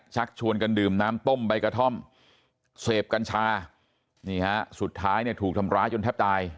ชักชวนกันดื่มน้ำต้มใบกระท่อมเสพกัญชานี่ฮะสุดท้ายเนี่ยถูกทำร้ายจนแทบตาย